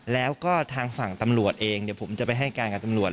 แล้วก็ทางฝั่งตำรวจเองเดี๋ยวผมจะไปให้การกับตำรวจ